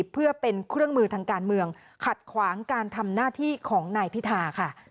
เพื่อเป็นเครื่องมือทางการเมืองขัดขวางการทำหน้าที่ของนายพิธาค่ะ